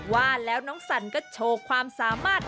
ว่าแล้วน้องสันก็โชว์ความสามารถ